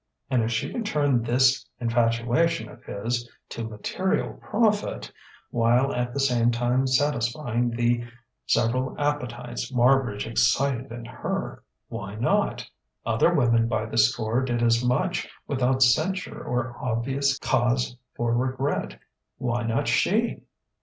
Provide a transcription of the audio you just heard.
And if she could turn this infatuation of his to material profit, while at the same time satisfying the several appetites Marbridge excited in her: why not? Other women by the score did as much without censure or obvious cause for regret. Why not she?